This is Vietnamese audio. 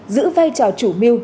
giữ vai trò chủ tịch